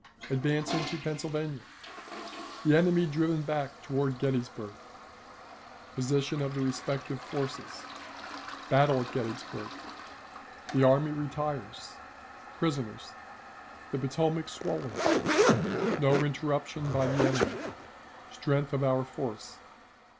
Advance into Pennsylvania. The Enemy driven back toward Gettysburg. Position of the Respective Forces. Battle at Gettysburg. The Army Retires. Prisoners. The Potomac swollen. No Interruption by the Enemy. Strength of our Force.